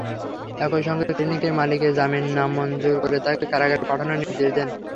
একই সঙ্গে ক্লিনিকের মালিকের জামিন নামঞ্জুর করে তাঁকে কারাগারে পাঠানোর নির্দেশ দেন।